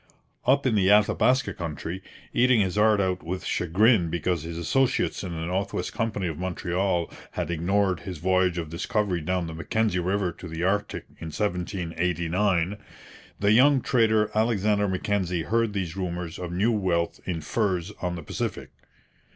Up in the Athabaska country, eating his heart out with chagrin because his associates in the North West Company of Montreal had ignored his voyage of discovery down the Mackenzie river to the Arctic in 1789, the young trader Alexander Mackenzie heard these rumours of new wealth in furs on the Pacific.